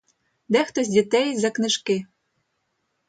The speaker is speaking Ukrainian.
Дехто з дітей — за книжки.